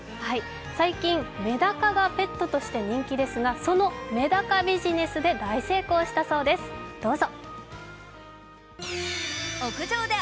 最近、めだかがペットとして人気ですがそのめだかビジネスで大成功したそうです、どうぞ。